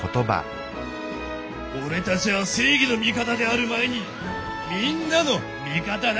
俺たちは正義の味方である前にみんなの味方なんだからな。